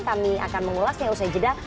kami akan mengulasnya usai jeda